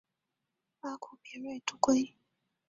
阿库别瑞度规。